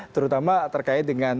terutama terkait dengan